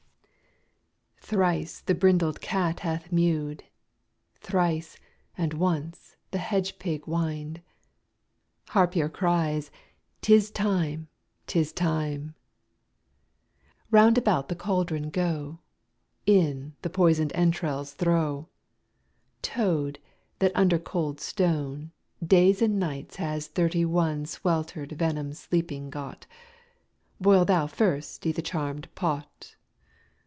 Thrice the brinded cat hath mew'd. SECOND WITCH. Thrice, and once the hedge pig whin'd. THIRD WITCH. Harpier cries:—'Tis time, 'tis time. FIRST WITCH. Round about the cauldron go; In the poison'd entrails throw.— Toad, that under cold stone Days and nights has thirty one Swelter'd venom sleeping got, Boil thou first i' th' charmed pot!